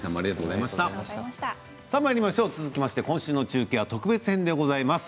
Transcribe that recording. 続きましては今週の中継は特別編です。